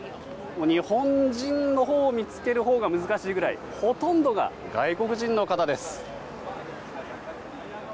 日本人を見つけるほうが難しいぐらいほとんどが外国人の方です。